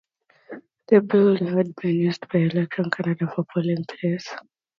The building had been used by Elections Canada for a polling place.